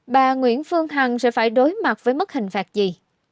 bà nguyễn phương hằng sẽ phải đối mặt với mức hình phạt gì